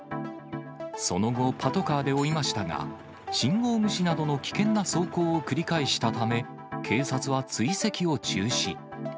その後、パトカーで追いましたが、信号無視などの危険な走行を繰り返したため、警察は追跡を中止。